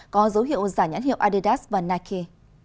có dấu hiệu giả nhãn hiệu adidas và nike